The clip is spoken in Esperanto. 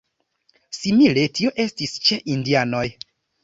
Simile tio estis ĉe indianoj.